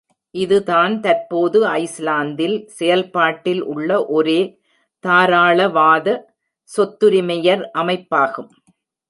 இது தான் தற்போது ஐஸ்லாந்தில் செயல்பாட்டில் உள்ள ஒரே தாராளவாத சொத்துரிமையர் அமைப்பாகும்.